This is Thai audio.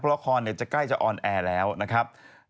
เพราะละครใกล้จะออนแอร์แล้วนะครับ